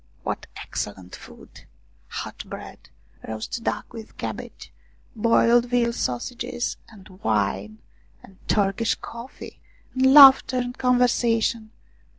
What excellent food ! Hot bread, roast duck with cabbage, boiled veal sausages, and wine ! And Turkish coffee ! And laughter and conversa tion